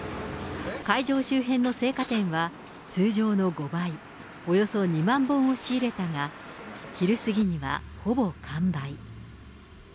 会場周辺の生花店は、通常の５倍、およそ２万本を仕入れたが、昼過ぎにはほぼ完売。